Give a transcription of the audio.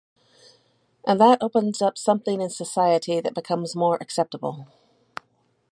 And that opens up something in society that becomes more acceptable.